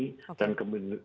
kemendirian di bidang budaya